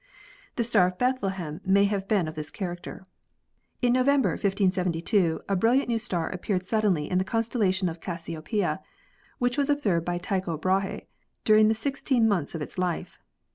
The Star of Bethlehem may have been of this character. In November, 1572, a brilliant new star appeared suddenly in the constellation of Cassiopeia, which was observed by Tycho Brahe during the sixteen months of its life.